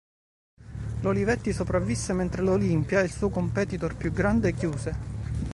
L’Olivetti sopravvisse mentre l’Olimpia, il suo competitor più grande, chiuse.